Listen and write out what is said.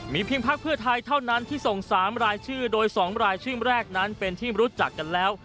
เพียงพักเพื่อไทยเท่านั้นที่ส่ง๓รายชื่อโดย๒รายชื่อแรกนั้นเป็นที่รู้จักกันแล้ว